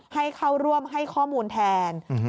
ให้เข้าร่วมให้ข้อมูลแทน